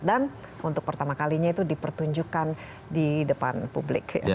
dan untuk pertama kalinya itu dipertunjukkan di depan publik